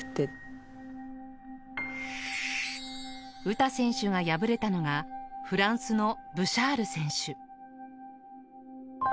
詩選手が敗れたのがフランスのブシャール選手。